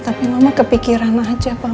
tapi mama kepikiran aja pak